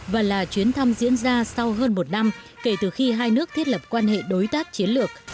và là chuyến thăm diễn ra sau hơn một năm kể từ khi hai nước thiết lập quan hệ đối tác chiến lược